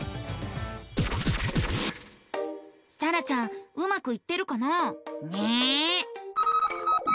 さらちゃんうまくいってるかな？ね。